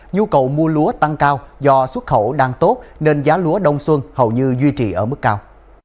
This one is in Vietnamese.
nhu cầu mua lúa tăng cao do xuất khẩu đang tốt nên giá lúa đông xuân hầu như duy trì ở mức cao